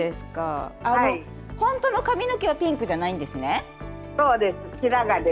本当の髪の毛はピンクじゃないんですね。